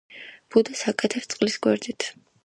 ბუდეს აკეთებს წყლის გვერდით.